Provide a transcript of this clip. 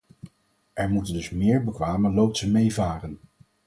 Er moeten dus meer bekwame loodsen meevaren.